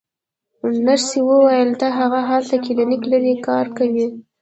نرسې وویل: نه، هغه هلته کلینیک لري، کار کوي.